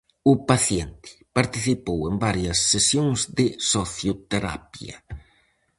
O paciente participou en varias sesións de socioterapia.